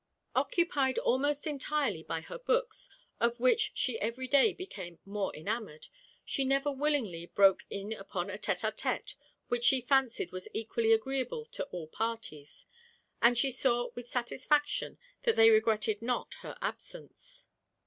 Occupied almost entirely by her books, of which she every day became more enamoured, she never willingly broke in upon a tête à tête which she fancied was equally agreeable to all parties; and she saw with satisfaction that they regretted not her absence.